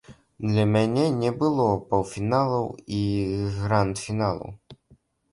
Для мяне не было паўфіналаў і гранд-фіналу.